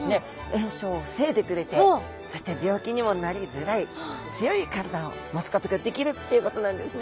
炎症を防いでくれてそして病気にもなりづらい強い体を持つことができるっていうことなんですね。